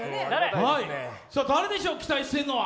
誰でしょう、期待してるのは。